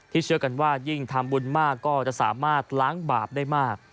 เชื่อกันว่ายิ่งทำบุญมากก็จะสามารถล้างบาปได้มาก